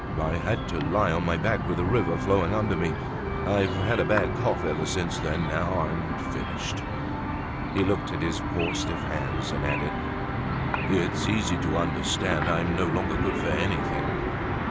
I had to lie on my back with the river flowing under me. I've had a bad cough ever since then. Now, I'm finished." He looked at his poor stiff hands and added: "It's easy to understand, I'm no longer good for anything.